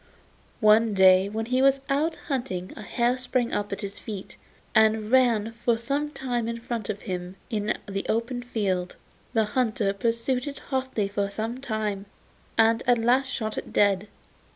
One day when he was out hunting a hare sprang up at his feet, and ran for some way in front of him in the open field. The hunter pursued it hotly for some time, and at last shot it dead.